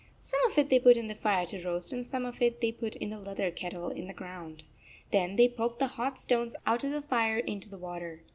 Some of it they put in the fire to roast and some of it they put in the leather kettle in the ground. Then they poked the hot stones out of the fire into the water.